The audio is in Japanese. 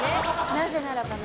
なぜならばね